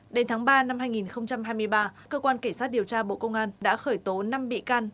đến tháng ba năm hai nghìn hai mươi ba cơ quan kể sát điều tra bộ công an đã khởi tố năm bị can